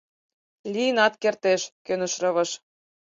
— Лийынат кертеш, — кӧныш Рывыж.